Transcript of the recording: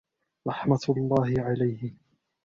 رَحْمَةُ اللَّهِ عَلَيْهِ